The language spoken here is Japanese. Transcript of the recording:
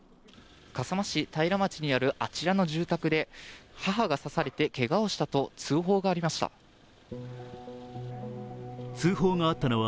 笠間市平町にあるあちらの住宅で母が刺されてけがをしたと通報がありました。